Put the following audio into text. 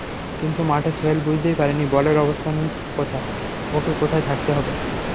কিন্তু মাঠে সোহেল বুঝতেই পারেনি বলের অবস্থান কোথায়, ওকে কোথায় থাকতে হবে।